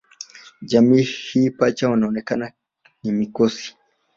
Jamii hii Pacha wakionekana ni mkosi